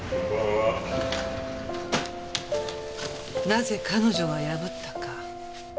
なぜ彼女は破ったか。